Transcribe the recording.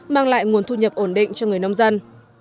mang lại nguồn thu nhập ổn định cho người nông dân